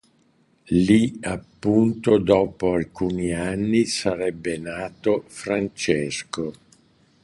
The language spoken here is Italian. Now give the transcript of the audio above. Lì appunto dopo alcuni anni sarebbe nato Francesco.